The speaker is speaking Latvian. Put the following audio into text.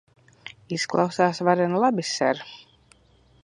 Izklausās varen labi, ser.